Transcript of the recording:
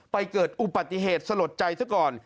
เกิดอุบัติเหตุสลดใจซะก่อน